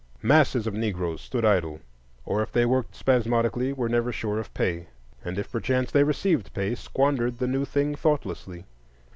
Masses of Negroes stood idle, or, if they worked spasmodically, were never sure of pay; and if perchance they received pay, squandered the new thing thoughtlessly.